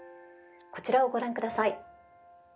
こちらをご覧ください。